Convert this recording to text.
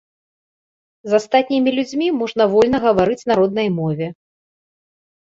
З астатнімі людзьмі можна вольна гаварыць на роднай мове.